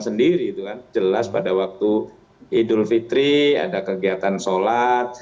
yang pertama adalah pak panji gumilang sendiri jelas pada waktu idul fitri ada kegiatan sholat